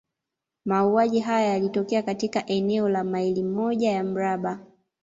Mauaji haya yalitokea katika eneo la maili moja ya mraba.